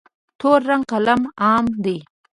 تور رنګ قلم عام دی.